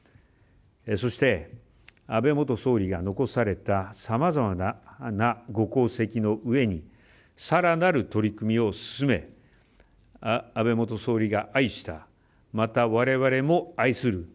そして、安倍元総理が残されたさまざまなご功績の上にさらなる取り組みを進め安倍元総理が愛したまたわれわれも愛する